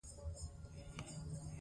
شاعران د ژبې احساسات انځوروي.